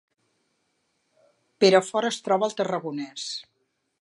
Perafort es troba al Tarragonès